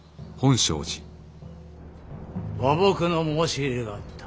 和睦の申し入れがあった。